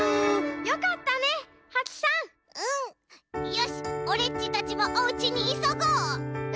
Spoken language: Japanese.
よしオレっちたちもおうちにいそごう！」。